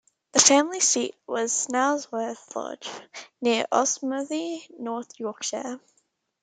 The family seat was Snilesworth Lodge, near Osmotherley, North Yorkshire.